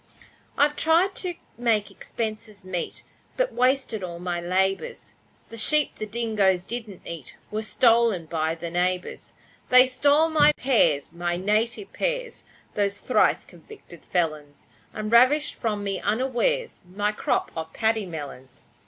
I've tried to make expenses meet, But wasted all my labours, The sheep the dingoes didn't eat Were stolen by the neighbours. They stole my pears my native pears Those thrice convicted felons, And ravished from me unawares My crop of paddy melons.